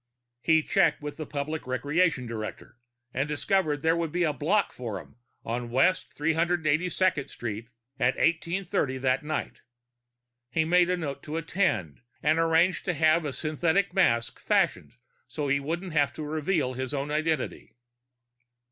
He checked with a public recreation director and discovered there would be a block forum on West 382nd Street at 1830 that night. He made a note to attend, and arranged to have a synthetic mask fashioned so he wouldn't have to reveal his own identity.